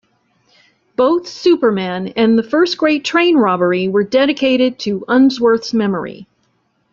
Both "Superman" and "The First Great Train Robbery" were dedicated to Unsworth's memory.